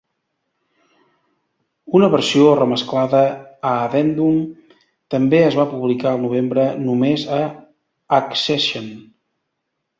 Una versió remesclada, "Addendum", també es va publicar al novembre només a Accession.